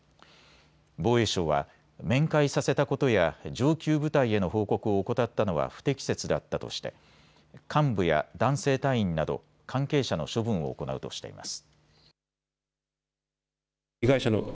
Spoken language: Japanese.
防衛省は面会させたことや上級部隊への報告を怠ったのは不適切だったとして幹部や男性隊員など関係者の処分を行うとしています。